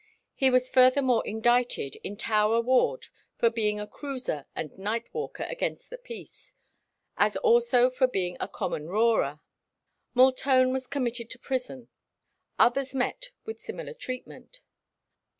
He was furthermore indicted "in Tower ward for being a cruiser and night walker against the peace, as also for being a common 'roarer.'[18:1] Multone was committed to prison. Others met with similar treatment.